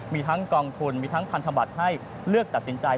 มีทั้งกองทุนมีทั้งพันธบัตรให้เลือกตัดสินใจ